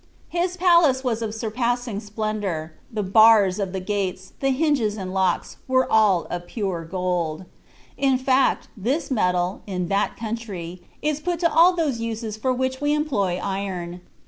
His palace was of surpassing splendor; the bars of the gates, the hinges and locks, were all of pure gold; in fact, this metal, in that country, is put to all those uses for which we employ iron.